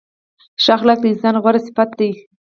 ښه اخلاق د انسان غوره صفت دی.